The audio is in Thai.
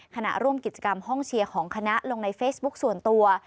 ขณะร่วมกิจกรรมห้องเชียร์ของคณะลงในเฟซบุ๊คส่วนตัว